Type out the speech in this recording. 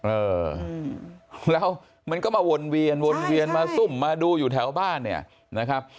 เออแล้วมันก็มาวนเวียนวนเวียนมาซุ่มมาดูอยู่แถวบ้านเนี่ยนะครับ